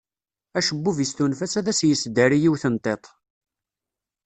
Acebbub-is tunef-as ad as-yesdari yiwet n tiṭ.